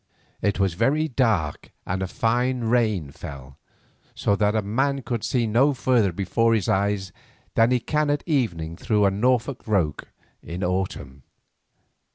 It was very dark and a fine rain fell, so that a man could see no further before his eyes than he can at evening through a Norfolk roke in autumn.